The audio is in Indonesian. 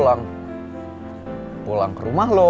kalau gue ga mau gue jilin rekam sama dia lo